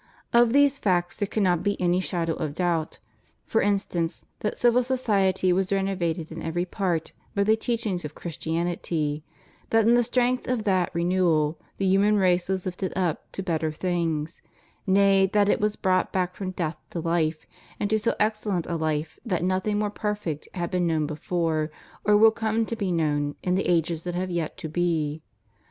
Of these facts there cannot be any shadow of doubt: for instance, that civil society was renovated in every part by the teachings of Christi anity; that in the strength of that renewal the human race was hfted up to better things — nay, that it was brought back from death to life, and to so excellent a life that nothing more perfect had been known before, or will come to be known in the ages that have yet to be.